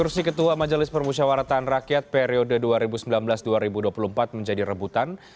kursi ketua majelis permusyawaratan rakyat periode dua ribu sembilan belas dua ribu dua puluh empat menjadi rebutan